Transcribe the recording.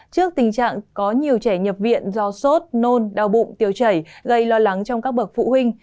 trước tình trạng có nhiều trẻ nhập viện do sốt nôn đau bụng tiêu chảy gây lo lắng trong các bậc phụ huynh